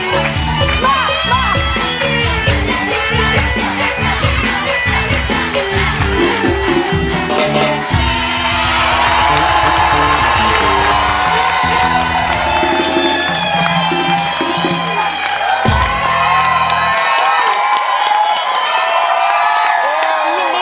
ยังไม่มีให้รักยังไม่มี